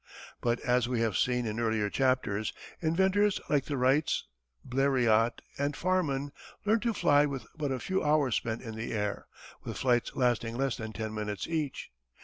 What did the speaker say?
But as we have seen in earlier chapters, inventors like the Wrights, Bleriot, and Farman learned to fly with but a few hours spent in the air, with flights lasting less than ten minutes each.